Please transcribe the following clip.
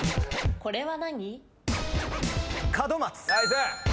これは何？